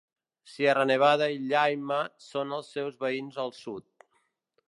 Sierra Nevada i Llaima són els seus veïns al sud.